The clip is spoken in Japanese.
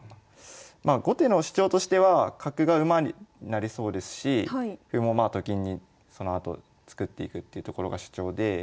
まあ後手の主張としては角が馬になりそうですし歩もまあと金にそのあと作っていくっていうところが主張で。